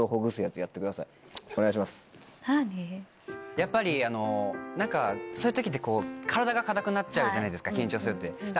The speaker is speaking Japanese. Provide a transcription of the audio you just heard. やっぱり何かそういう時って体が硬くなっちゃうじゃないですか緊張するって。